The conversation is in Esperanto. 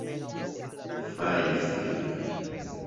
fajfi